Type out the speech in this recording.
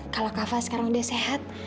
kalau kak fah sekarang udah sehat